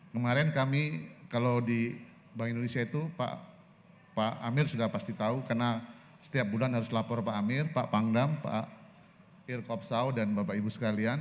kemarin kami kalau di bank indonesia itu pak amir sudah pasti tahu karena setiap bulan harus lapor pak amir pak pangdam pak irkopsau dan bapak ibu sekalian